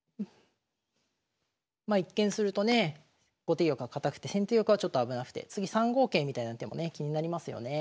まあ一見するとね後手玉が堅くて先手玉はちょっと危なくて次３五桂みたいな手もね気になりますよね。